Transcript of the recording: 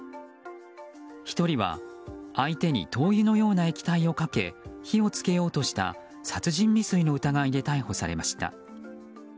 １人は、相手に灯油のような液体をかけ火を付けようとした殺人未遂の疑いで逮捕されました。